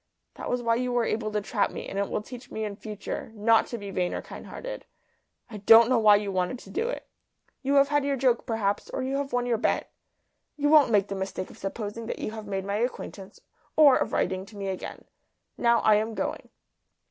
That was why you were able to trap me; and it will teach me in future not to be vain or kind hearted. I don't know why you wanted to do it. You have had your joke, perhaps, or you have won your bet. You won't make the mistake of supposing that you have made my acquaintance, or of writing to me again. Now, I am going."